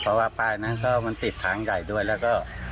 เพราะว่าป้ายนั้นก็มันติดทางใหญ่ด้วยแล้วก็